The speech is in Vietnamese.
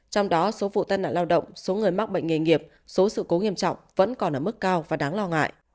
trong đó số vụ tai nạn lao động số người mắc bệnh nghề nghiệp số sự cố nghiêm trọng vẫn còn ở mức cao và đáng lo ngại